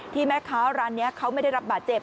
ที่แม่ขาวร้านนี้เค้าไม่ได้รับบาดเจ็บ